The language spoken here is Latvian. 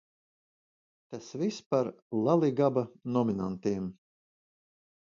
Tas viss par "LaLiGaBa" nominantiem.